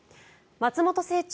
松本清張